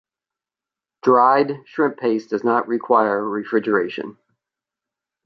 Dried shrimp paste does not require refrigeration.